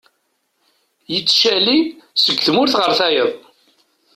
Yettcali seg tmurt ɣer tayeḍ.